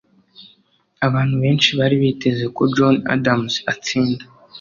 abantu benshi bari biteze ko john adams atsinda